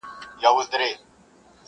ژونده ټول غزل عزل ټپې ټپې سه.